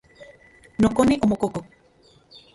Nokone omokokok.